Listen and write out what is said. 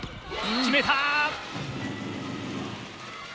決めた！